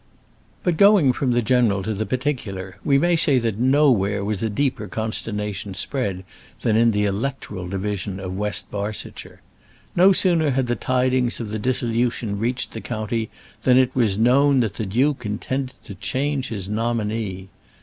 But going from the general to the particular, we may say that nowhere was a deeper consternation spread than in the electoral division of West Barsetshire. No sooner had the tidings of the dissolution reached the county than it was known that the duke intended to change his nominee.